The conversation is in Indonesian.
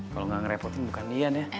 kalo gak ngerepotin bukan dian ya